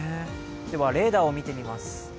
ではレーダーを見てみます。